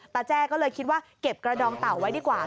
แจ้ก็เลยคิดว่าเก็บกระดองเต่าไว้ดีกว่า